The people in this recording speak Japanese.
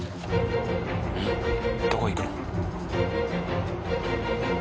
どこ行くの？